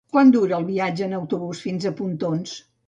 Quant dura el viatge en autobús fins a Pontós?